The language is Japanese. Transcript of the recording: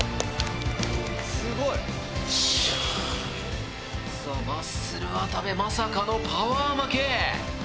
すごい！さあマッスル渡部まさかのパワー負け。